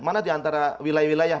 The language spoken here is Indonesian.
mana di antara wilayah wilayah